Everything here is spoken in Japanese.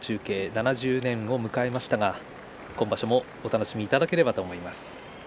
７０年を迎えましたが今場所もお楽しみいただければと思います。